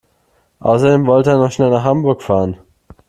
Außerdem wollte er noch schnell nach Hamburg fahren